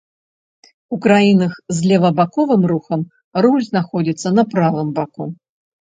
У краінах з левабаковым рухам руль знаходзіцца на правым баку.